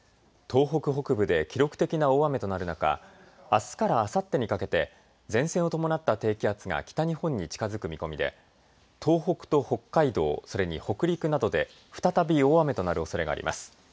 東北北部で記録的な大雨となる中あすからあさってにかけて前線を伴った低気圧が北日本に近づく見込みで東北と北海道それに北陸などで再び大雨となるおそれがあります。